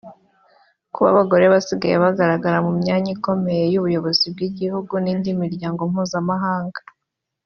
Kuba abagore basigaye bagaragara mu myanya ikomeye y’ubuyobozi bw’ibihugu n’indi miryango mpuzamahanga